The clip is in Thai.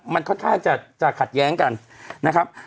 มันค่อนข้างจะขัดแย้งกันนะครับ